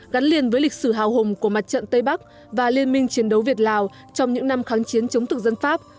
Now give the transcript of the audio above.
gắn liền với lịch sử hào hùng của mặt trận tây bắc và liên minh chiến đấu việt lào trong những năm kháng chiến chống thực dân pháp